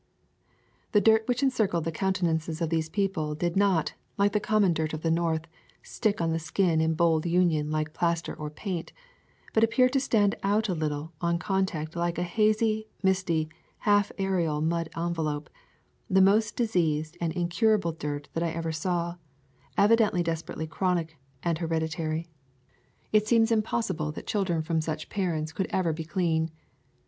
The dirt which encircled the countenances of these people did not, like the common dirt of the North, stick on the skin in bold union like plaster or paint, but appeared to stand out a little on contact like a hazy, misty, half aerial mud envelope, the most diseased and incurable dirt that I ever saw, evidently desperately chronic and hereditary. It seems impossible that children from such [ 109 ] A Thousand Mile W alk parents could ever be clean.